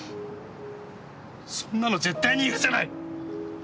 そんなの絶対に許せない！